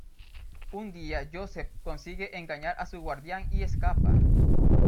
Un día Joseph consigue engañar a su guardián y escapa.